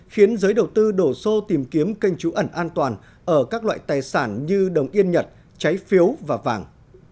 khiến giới đầu tư đổ xô tìm kiếm kênh trú ẩn an toàn ở các loại tài sản như đồng yên nhật trái phiếu và vàng